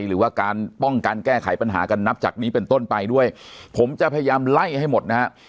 หรือว่าการป้องกันแก้ไขปัญหากันนับจากนี้เป็นต้นไปด้วยผมจะพยายามไล่ให้หมดนะฮะ